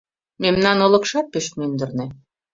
Мемнан олыкшат пеш мӱндырнӧ -